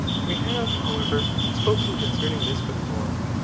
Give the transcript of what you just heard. We have, however, spoken concerning this before.